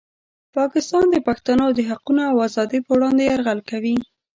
پاکستان د پښتنو د حقونو او ازادۍ په وړاندې یرغل کوي.